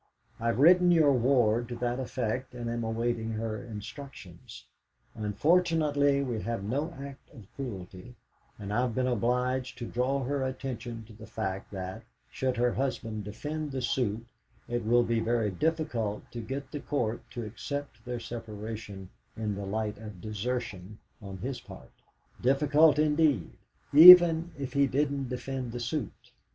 I've written your ward to that effect, and am awaiting her instructions. Unfortunately, we have no act of cruelty, and I've been obliged to draw her attention to the fact that, should her husband defend the suit, it will be very difficult to get the Court to accept their separation in the light of desertion on his part difficult indeed, even if he doesn't defend the suit.